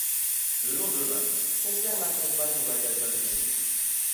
Le lendemain, son père l'accompagne au magasin de cycles.